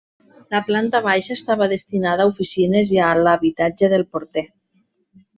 La planta baixa estava destinada a oficines i a l'habitatge del porter.